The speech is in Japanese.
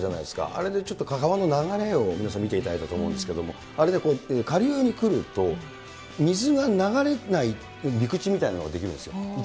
あれでちょっと川の流れを皆さん見ていただいたと思うんですけれども、あれで下流に来ると、水が流れない陸地みたいのが出来るんですよ。